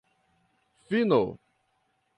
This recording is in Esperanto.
fino